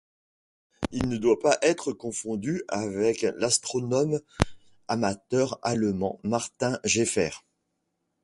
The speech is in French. Il ne doit pas être confondu avec l'astronome amateur allemand Martin Geffert.